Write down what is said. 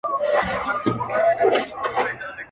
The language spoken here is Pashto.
خالقه ما خو واوريدی سُروز په سجده کي